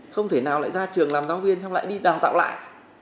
không thể nào lại ra trường làm giáo viên xong lại đi đào tạo lại